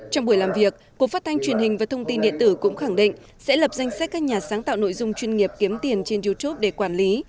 trong buổi làm việc cục phát thanh truyền hình và thông tin điện tử cũng khẳng định sẽ lập danh sách các nhà sáng tạo nội dung chuyên nghiệp kiếm tiền trên youtube để quản lý